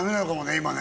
今ね